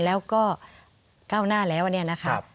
แล้วก็ก้าวหน้าแล้วอันนี้นะคะ